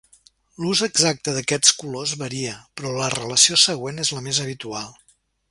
L'ús exacte d'aquests colors varia, però la relació següent és la més habitual.